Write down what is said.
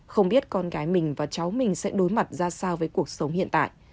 không biết con gái mình và cháu mình sẽ đối mặt ra sao với cuộc sống hiện tại